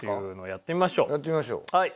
やってみましょう。